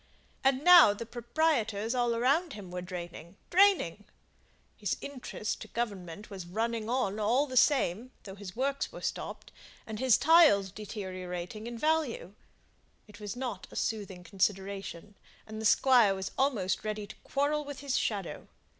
And now the proprietors all around him were draining draining; his interest to Government was running on all the same, though his works were stopped, and his tiles deteriorating in value. It was not a soothing consideration, and the Squire was almost ready to quarrel with his shadow.